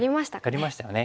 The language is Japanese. やりましたよね。